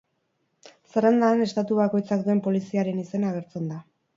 Zerrendan, estatu bakoitzak duen poliziaren izena agertzen da.